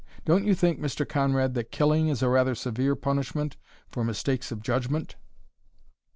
Don't you think, Mr. Conrad, that killing is a rather severe punishment for mistakes of judgment?"